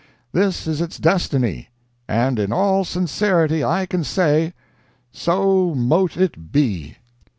This is its destiny, and in all sincerity I can say, So mote it be!"